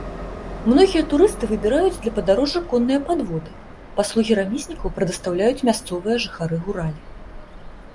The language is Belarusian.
Многія турысты выбіраюць для падарожжа конныя падводы, паслугі рамізнікаў прадастаўляюць мясцовыя жыхары гуралі.